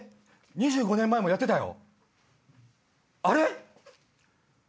２５年前もやってたよ。